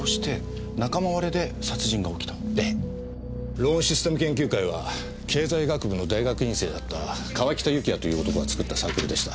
ローンシステム研究会は経済学部の大学院生だった川北幸也という男が作ったサークルでした。